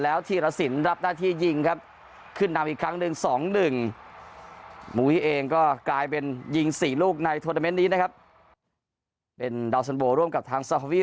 แบนหยิง๔ลูกในตรวนเตอร์เม้สนี้แรครับเป็นดัวส่วนโบร่งกับทางเซาไฮพรี